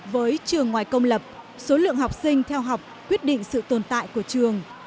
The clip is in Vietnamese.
với trường ngoài công lập số lượng học sinh theo học quyết định sự tồn tại của trường